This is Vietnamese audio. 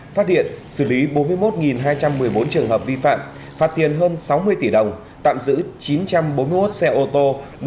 phát hiện xử lý bốn mươi một hai trăm một mươi bốn trường hợp vi phạm phạt tiền hơn sáu mươi tỷ đồng tạm giữ chín trăm bốn mươi một xe ô tô